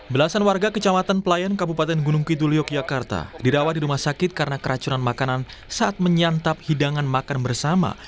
belasan warga kecamatan pelayan kabupaten gunung kidul yogyakarta dirawat di rumah sakit karena keracunan makanan saat menyantap hidangan makan bersama